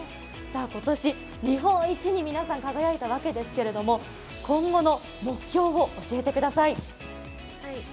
今年、日本一に皆さん、輝いたわけですけれども今後の目標を教えてください。